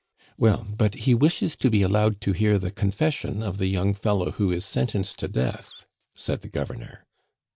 "Well, but he wishes to be allowed to hear the confession of the young fellow who is sentenced to death," said the governor.